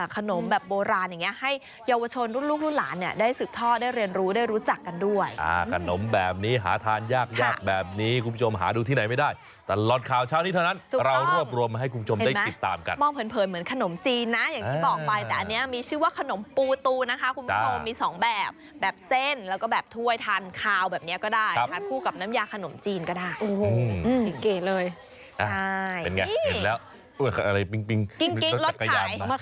ก็สร้างรวมให้คุณผู้ชมได้ติดตามกันเหมือนขนมจีนนะอย่างที่บอกไปแต่อันนี้มีชื่อว่าขนมปูตูนะคะคุณผู้ชมมีสองแบบแบบเส้นแล้วก็แบบถ้วยทานคาวแบบเนี้ยก็ได้ค่ะคู่กับน้ำยาขนมจีนก็ได้เก่งเลย